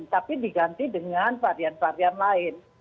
tapi diganti dengan varian varian lain